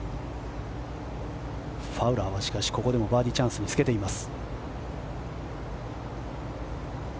ファウラーはしかしここでもバーディーチャンスにつけています。